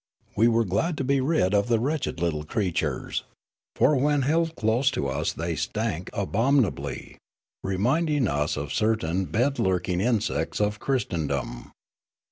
We were glad to be rid of the wretched little creatures ; for when held close to us they stank abominabl}', remind ing us of certain bed lurking insects of Christendom.